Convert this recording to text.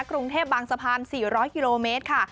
กรุงเทพบางสะพาน๔๐๐กิโลเมตรค่ะ